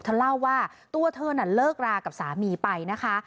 เธอเล่าว่าตัวเธอน่ะเลิกรากับสามีไปนะคะ